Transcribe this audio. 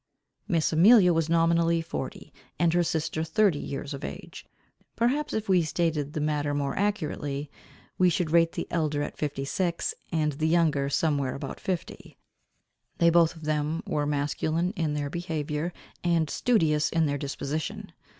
Miss Amelia was nominally forty, and her sister thirty years of age. Perhaps if we stated the matter more accurately, we should rate the elder at fifty six, and the younger somewhere about fifty. They both of them were masculine in their behaviour, and studious in their disposition.